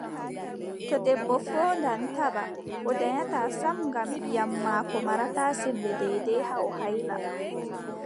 To debbo fooɗan taba, o danyataa sam ngam ƴiiƴam maako marataa semmbe deydey haa o hayla.